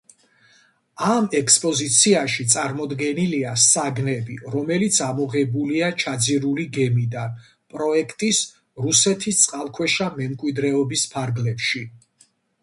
ამ ექსპოზიციაში წარმოდგენილია საგნები, რომელიც ამოღებულია ჩაძირული გემიდან პროექტის „რუსეთის წყალქვეშა მემკვიდრეობის“ ფარგლებში.